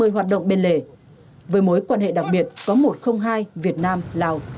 một mươi hoạt động bền lệ với mối quan hệ đặc biệt có một không hai việt nam lào